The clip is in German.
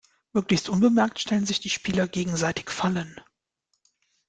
Möglichst unbemerkt stellen sich die Spieler gegenseitig Fallen.